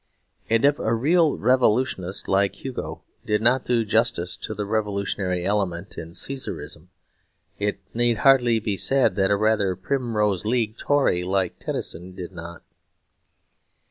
And if a real revolutionist like Hugo did not do justice to the revolutionary element in Cæsarism, it need hardly be said that a rather Primrose League Tory like Tennyson did not.